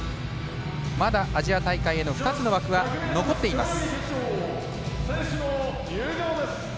まだアジア大会の２つの枠は残っています。